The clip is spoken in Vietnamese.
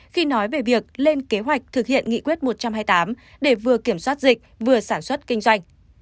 khi nói về việc lên kế hoạch thực hiện nghị quyết một trăm hai mươi tám để vừa kiểm soát dịch vừa sản xuất kinh doanh